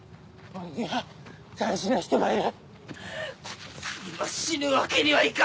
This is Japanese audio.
俺には大事な人がいる。